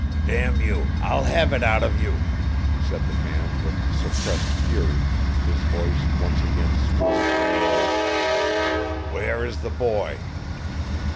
"Damn you, I'll have it out of you!" said the man with suppressed fury, his voice once again smooth and low. "Where is the boy?"